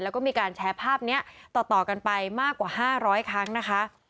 แล้วก็มีการแชร์ภาพเนี้ยต่อต่อกันไปมากกว่าห้าร้อยครั้งนะคะ